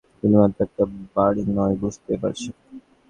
শুধুমাত্র একটা বাড়ি নয়, বুঝতেই পারছেন।